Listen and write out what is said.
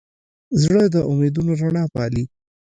زړه د امیدونو رڼا پالي.